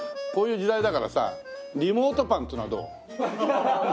こういう時代だからさリモートパンっつうのはどう？